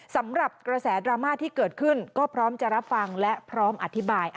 สำหรับกระแสดราม่าที่เกิดขึ้นก็พร้อมจะรับฟังและพร้อมอธิบาย